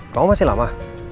kamu masih lama